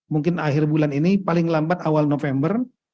mungkin akhir bulan ini paling lambat awal november